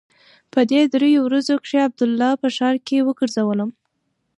په دې درېو ورځو کښې عبدالله په ښار کښې وګرځولم.